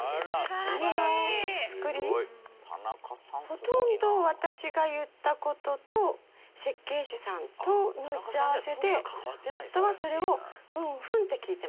ほとんど私が言った事と設計士さんとの打ち合わせで夫はそれを「ふんふん」って聞いてました。